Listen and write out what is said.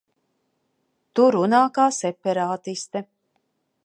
Tu runā kā separātiste.